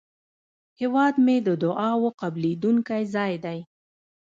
هیواد مې د دعاوو قبلېدونکی ځای دی